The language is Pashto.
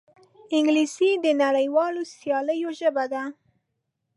انګلیسي د نړیوالو سیالیو ژبه ده